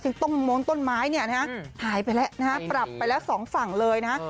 ซึ่งต้นม้นต้นไม้เนี่ยนะฮะหายไปแล้วนะฮะปรับไปแล้วสองฝั่งเลยนะ